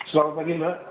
selamat pagi mbak